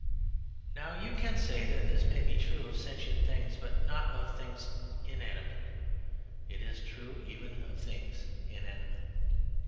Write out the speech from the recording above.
Now you can say that this may be true of sentient things but not of things inanimate. It is true even of things inanimate.